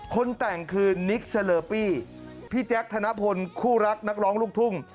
คนแต่งคือนิกเซลปี้พี่แจ๊คธนพลคู่รักนักร้องลูกทุ่ง